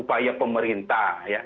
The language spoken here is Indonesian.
upaya pemerintah ya